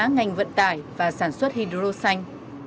ngành vận tải và sản xuất hydro xanh